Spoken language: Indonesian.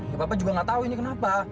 ya bapak juga nggak tahu ini kenapa